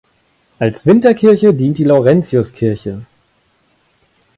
Als Winterkirche dient die Laurentiuskirche.